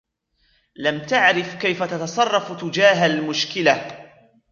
لم تعرف كيف تتصرف تجاه المشكلة.